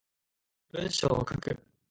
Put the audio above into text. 文章を書く